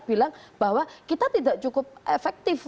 bilang bahwa kita tidak cukup efektif